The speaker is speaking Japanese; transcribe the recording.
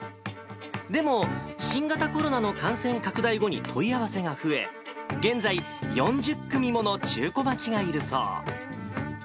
でも、新型コロナの感染拡大後に問い合わせが増え、現在、４０組もの中古待ちがいるそう。